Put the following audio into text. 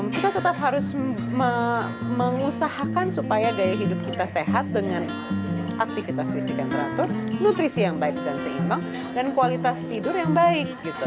kita tetap harus mengusahakan supaya gaya hidup kita sehat dengan aktivitas fisik yang teratur nutrisi yang baik dan seimbang dan kualitas tidur yang baik